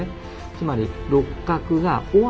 つまり六角が尾張